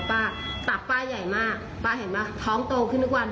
คุณผู้ชมค่ะแล้วเดี๋ยวมาเล่ารายละเอียดเพิ่มให้ฟังค่ะ